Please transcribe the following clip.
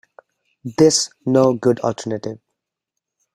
This no good alternative.